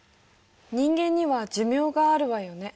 人間には寿命があるわよね。